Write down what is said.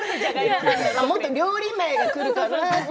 もっと料理名がくるかなって。